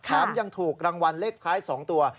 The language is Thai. แล้วยังถูกรางวัลเล็กคล้าย๒ตัว